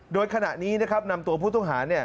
โดยขณะนี้นำตัวผู้ต้องหา